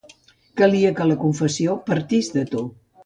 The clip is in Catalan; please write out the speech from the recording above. Calia que la confessió partís de tu.